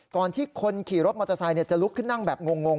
ก่อนที่คนขี่รถมอเตอร์ไซค์จะลุกขึ้นนั่งแบบงง